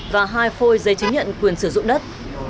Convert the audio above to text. và hai phôi giấy chứng nhận quyền sử dụng đất